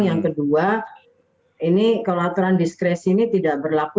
yang kedua ini kalau aturan diskresi ini tidak berlaku